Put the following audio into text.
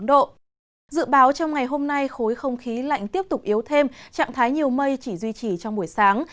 dự báo trong ngày hôm nay khối không khí lạnh tiếp tục yếu thêm trạng thái nhiều mây chỉ duy trì trong buổi sáng